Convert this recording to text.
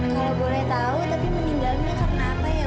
kalau boleh tau tapi meninggal ini karena apa ya bu